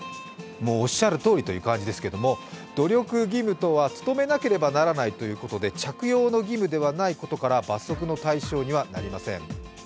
もうおっしゃるとおりという感じですけれども、努力義務とは努めなければならないということで着用の義務ではないことから罰則の対象にはなりません。